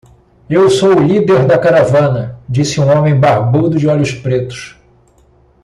"Eu sou o líder da caravana?", disse um homem barbudo de olhos pretos.